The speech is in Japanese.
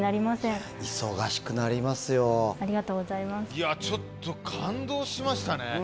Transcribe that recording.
いやちょっと感動しましたね。